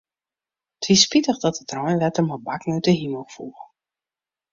It wie spitich dat it reinwetter mei bakken út 'e himel foel.